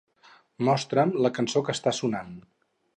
Mostra'm la cançó que està sonant.